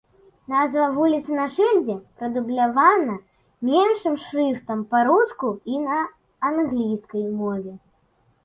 Назва вуліцы на шыльдзе прадублявана меншым шрыфтам па-руску і на англійскай мове.